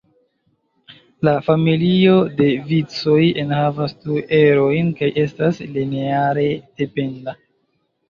La "familio" de vicoj enhavas du erojn kaj estas lineare dependa.